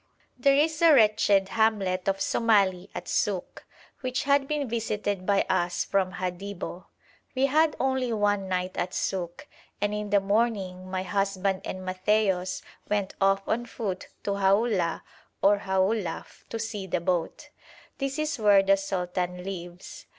There is a wretched hamlet of Somali at Suk, which had been visited by us from Hadibo. We had only one night at Suk, and in the morning my husband and Matthaios went off on foot to Haulah or Haulaf to see the boat. This is where the sultan lives.